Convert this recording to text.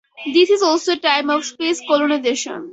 This is also a time of space colonization.